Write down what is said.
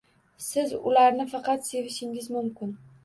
Siz ularni faqat sevishingiz mumkin